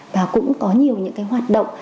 và cũng có nhiều những cái hoạt động